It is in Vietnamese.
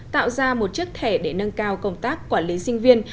tạo ra một chiếc thẻ để nâng cao công tác quản lý sinh viên